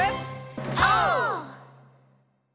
オー！